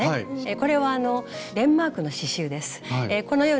これはデンマークの刺しゅうです。